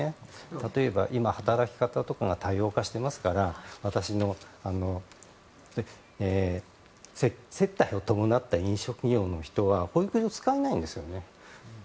例えば、今働き方が多様化していますから接待を伴った飲食業の人は保育所を使えないんですよね。